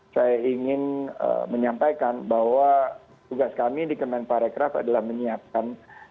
saya ingin menyampaikan bahwa tugas kami di kemenparekraf adalah menyiapkan